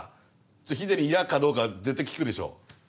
ヒデに嫌かどうか絶対聞くでしょ？